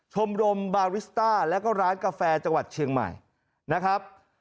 ชมรมบาริสต้าแล้วก็ร้านกาแฟจังหวัดเชียงใหม่นะครับ